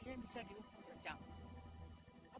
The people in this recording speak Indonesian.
kalian bisa dihukum rodhjang